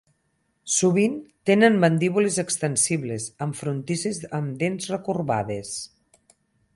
Sovint tenen mandíbules extensibles, amb frontisses amb dents recorbades.